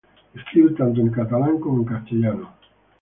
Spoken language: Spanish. Escribe tanto en catalán como en castellano.